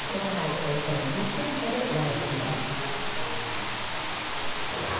およそ２０店舗で売られています。